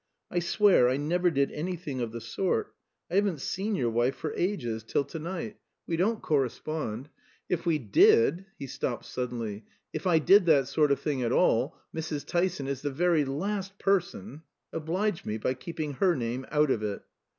"I swear I never did anything of the sort. I haven't seen your wife for ages till to night. We don't correspond. If we did" he stopped suddenly "if I did that sort of thing at all Mrs. Tyson is the very last person " "Oblige me by keeping her name out of it."